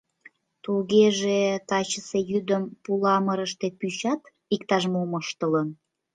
Тугеже тачысе йӱдым пуламырыште пӱчат иктаж-мом ыштылын?..